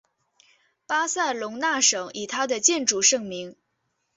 巴塞隆纳省以它的建筑盛名。